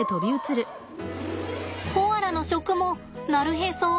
コアラの食もなるへそなんです。